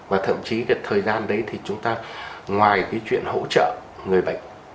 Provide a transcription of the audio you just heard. và thậm chí cái thời gian đấy thì chúng ta ngoài cái chuyện hỗ trợ người bệnh